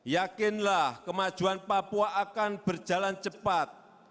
yakinlah kemajuan papua akan berjalan cepat